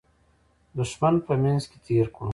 دښمن په منځ کې تېر کړو.